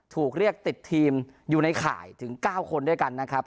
ถูกเรียกติดทีมอยู่ในข่ายถึง๙คนด้วยกันนะครับ